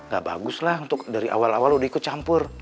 gak bagus lah untuk dari awal awal udah ikut campur